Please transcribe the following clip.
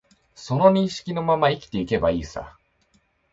その認識のまま生きていけばいいさ